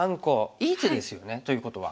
いい手ですよねということは。